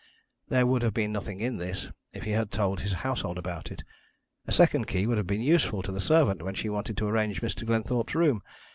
There would have been nothing in this if he had told his household about it. A second key would have been useful to the servant when she wanted to arrange Mr. Glenthorpe's room.